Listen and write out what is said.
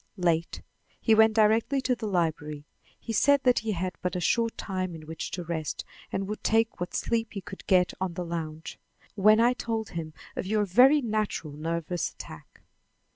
"Late. He went directly to the library. He said that he had but a short time in which to rest, and would take what sleep he could get on the lounge, when I told him of your very natural nervous attack."